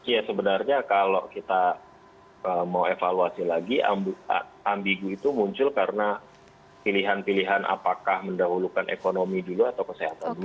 ya sebenarnya kalau kita mau evaluasi lagi ambigu itu muncul karena pilihan pilihan apakah mendahulukan ekonomi dulu atau kesehatan dulu